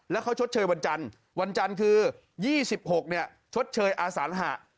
แล้วเขาชดเชยวันจันทร์วันจันทร์คือ๒๖ชดเชยอาสานหะ